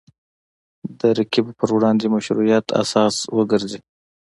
د رقیبو پر وړاندې مشروعیت اساس وګرځي